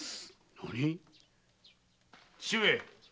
何⁉義父上！